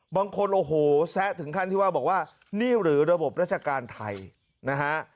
บางคนโอ้โหแซะถึงขั้นที่ว่าบอกว่านี่หรือระบบราชการไทยนะฮะ